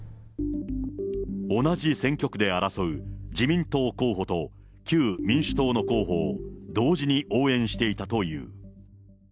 同じ選挙区で争う自民党候補と、旧民主党の候補を同時に応援していたという。